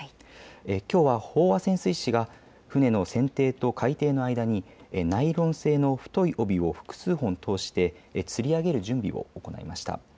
きょうは飽和潜水士が船の船底と海底の間にナイロン製の太い帯を複数本通して、つり上げる準備を行いました。